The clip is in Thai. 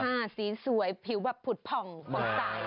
สีสวยผิวแบบผุดผ่องผ่องใส